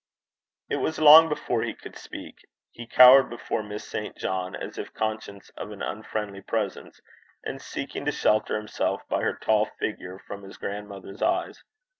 It was long before he could speak. He cowered before Miss St. John as if conscious of an unfriendly presence, and seeking to shelter himself by her tall figure from his grandmother's eyes.